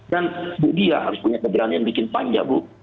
dan buk dia harus punya keberanian bikin panja bu